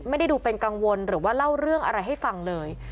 ไม่ได้ดูเป็นกังวลหรือว่าเล่าเรื่องอะไรให้ฟังเลย